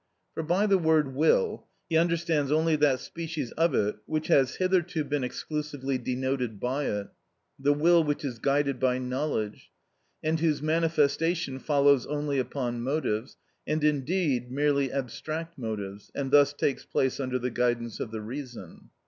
For by the word will he understands only that species of it which has hitherto been exclusively denoted by it, the will which is guided by knowledge, and whose manifestation follows only upon motives, and indeed merely abstract motives, and thus takes place under the guidance of the reason.